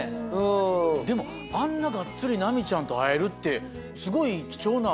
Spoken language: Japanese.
でもあんながっつりナミちゃんと会えるってすごい貴重な。